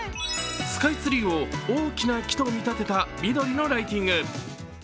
スカイツリーを大きな木と見立てた緑のライティング。